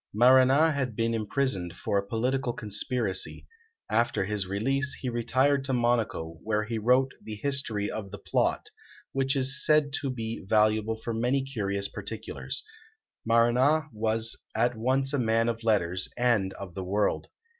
Marana had been imprisoned for a political conspiracy; after his release he retired to Monaco, where he wrote the "History of the Plot," which is said to be valuable for many curious particulars. Marana was at once a man of letters and of the world.